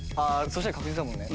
そしたら確実だもんね